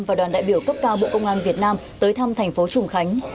và đoàn đại biểu cấp cao bộ công an việt nam tới thăm thành phố trùng khánh